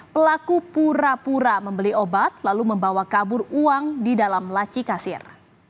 pelaku pura pura membeli obat lalu membawa kabur uang di dalam laci kasir